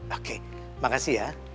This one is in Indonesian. oke makasih ya